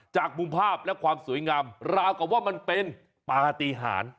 จากมุมภาพและความสวยงามราวกับว่ามันเป็นปฏิหาร